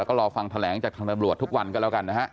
แล้วก็รอฟังแถลงจากคำบรรวชทุกวันก็แล้วกันนะฮะ